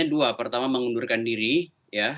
yang kedua pertama mengundurkan diri ya